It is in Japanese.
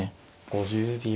５０秒。